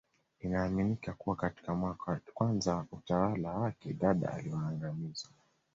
Inaaminika kuwa katika mwaka wa kwanza wa utawala wake Dada aliwaangamiza